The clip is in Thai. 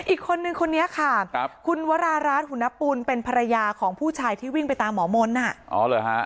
อีกคนนึงคนนี้ค่ะครับคุณวราราชหุณปุลเป็นภรรยาของผู้ชายที่วิ่งไปตามหมอมนต์อ่ะอ๋อเหรอฮะ